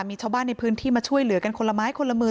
มีชาวบ้านในพื้นที่มาช่วยเหลือกันคนละไม้คนละมือ